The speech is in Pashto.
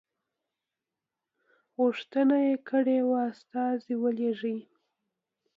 غوښتنه یې کړې وه استازی ولېږي.